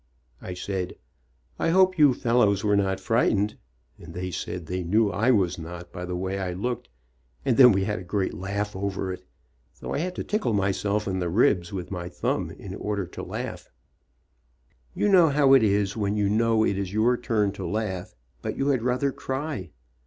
I said, "I hope you fel lows were not frightened," and they said they knew I was not by the way I looked, and then we had a great laugh over it, though I had to tickle myself in the ribs with my thumb in order to laugh. You know how it is when you know it is your turn to laugh, but you had rather cry.